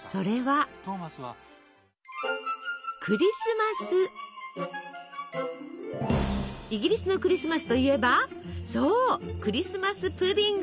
イギリスのクリスマスといえばそうクリスマス・プディング。